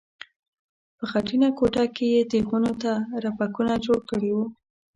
په خټینه کوټه کې یې تیغونو ته رپکونه جوړ کړي وو.